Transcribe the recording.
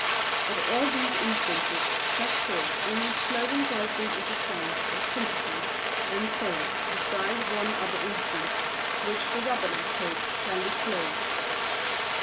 But all these instances set forth only slow and groping interchange of sympathy and thought beside one other instance which the Rubberneck coach shall disclose.